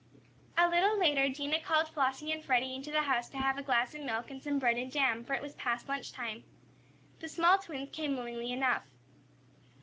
A little later Dinah called Flossie and Freddie into the house to have a glass of milk and some bread and jam, for it was past lunch time. The small twins came willingly enough.